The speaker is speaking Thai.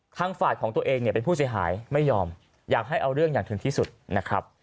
ทางฝ่ายของตัวเองเนี่ยเป็นผู้เสียหายไม่ยอมอยากให้เอาเรื่องอย่างถึงที่สุดนะครับ